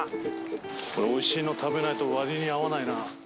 これおいしいの食べないと割に合わないな。